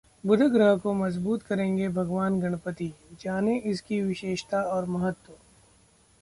बुध ग्रह को मजबूत करेंगे भगवान गणपति, जानें इसकी विशेषता और महत्व